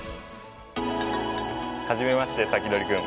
はじめまして、サキドリくん。